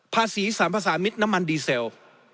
ภาษีสรรพสามิตน้ำมันดีเซล